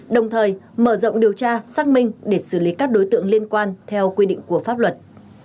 đồng thời mở rộng điều tra xác minh để xử lý các đối tượng liên quan theo quy định của pháp luật